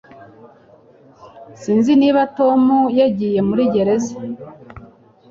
Sinzi niba Tom yagiye muri gereza